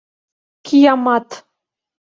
Киямат!